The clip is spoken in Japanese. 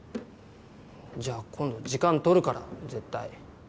じゃあ今度時間取るから絶対。